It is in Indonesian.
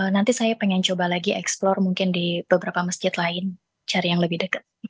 nanti saya pengen coba lagi eksplore mungkin di beberapa masjid lain cari yang lebih dekat